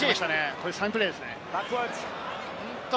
これサインプレーですね。